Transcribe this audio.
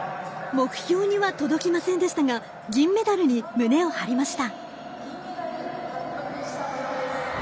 目標には届きませんでしたが銀メダルに胸を張りました。